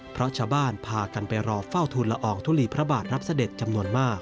เพราะชาวบ้านพากันไปรอเฝ้าทุนละอองทุลีพระบาทรับเสด็จจำนวนมาก